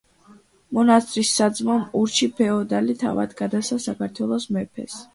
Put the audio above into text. მონასტრის საძმომ ურჩი ფეოდალი თავად გადასცა საქართველოს მეფეს.